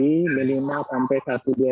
jadi kita akan melakukan proses transisi darurat